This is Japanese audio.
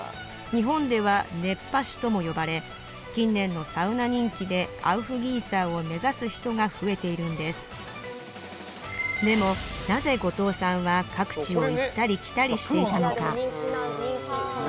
日本では熱波師とも呼ばれ近年のサウナ人気でアウフギーサーを目指す人が増えているんですでもなぜ五塔さんは各地を行ったり来たりしていたのか・